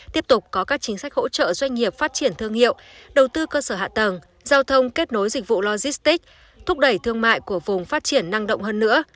tiếp tục có các chính sách hỗ trợ doanh nghiệp phát triển thương hiệu đầu tư cơ sở hạ tầng giao thông kết nối dịch vụ logistic thúc đẩy thương mại của vùng phát triển năng động hơn nữa